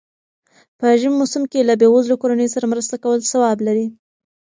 په ژمی موسم کی له بېوزلو کورنيو سره مرسته کول ثواب لري.